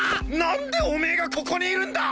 なんでおめえがここにいるんだ！？